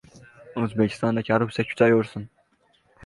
Ushbu haqiqatni ko‘ngli bir burchida yashirib yurdi.